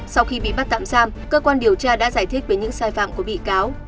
sau khi bị bắt tạm giam cơ quan điều tra đã giải thích về những sai phạm của bị cáo